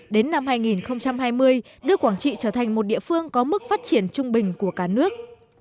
đến năm hai nghìn hai mươi đưa quảng trị trở thành một địa phương có mức phát triển trung bình của cả nước